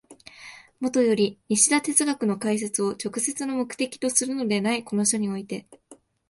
もとより西田哲学の解説を直接の目的とするのでないこの書において、